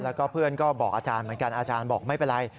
แล้วก็เพื่อนก็บอกอาจารย์เหมือนกันอาจารย์บอกไม่เป็นไร